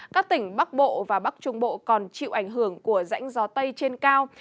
các tỉnh bắc bộ và bắc trung bộ còn chịu ảnh hưởng của rãnh gió tây trên cao